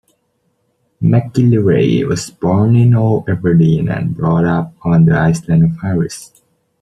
MacGillivray was born in Old Aberdeen and brought up on the island of Harris.